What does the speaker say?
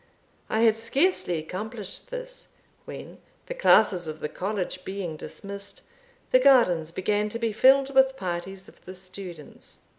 I had scarcely accomplished this, when, the classes of the college being dismissed, the gardens began to be filled with parties of the students.